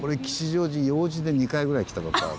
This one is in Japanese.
俺用事で２回ぐらい来た事ある。